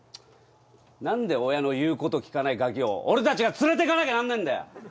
何で親の言うことを聞かないガキを俺たちが連れていかきゃなんねえんだよ！